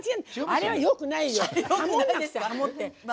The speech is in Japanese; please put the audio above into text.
あれはよくないよ。